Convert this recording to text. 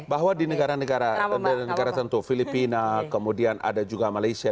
bahwa di negara negara tentu filipina kemudian ada juga malaysia